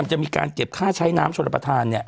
มันจะมีการเก็บค่าใช้น้ำชนระปทานเนี่ย